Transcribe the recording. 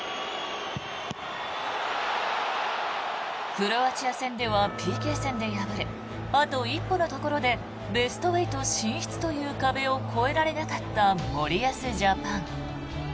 クロアチア戦ではＰＫ戦で敗れあと一歩のところでベスト８進出という壁を越えられなかった森保ジャパン。